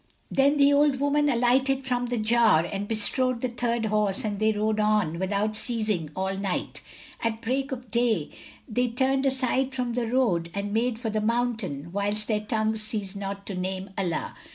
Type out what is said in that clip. Then the old woman alighted from the jar and bestrode the third horse and they rode on, without ceasing, all night. At break of day, they turned aside from the road and made for the mountain, whilst their tongues ceased not to name Allah.